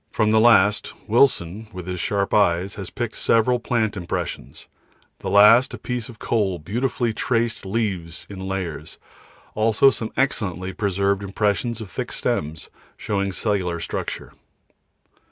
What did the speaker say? From the last Wilson, with his sharp eyes, has picked several plant impressions, the last a piece of coal with beautifully traced leaves in layers, also some excellently preserved impressions of thick stems, showing cellular structure.